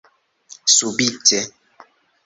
Subite.